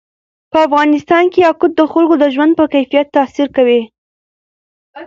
په افغانستان کې یاقوت د خلکو د ژوند په کیفیت تاثیر کوي.